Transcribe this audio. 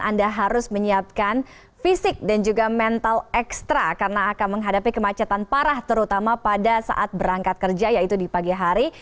anda harus menyiapkan fisik dan juga mental ekstra karena akan menghadapi kemacetan parah terutama pada saat berangkat kerja yaitu di pagi hari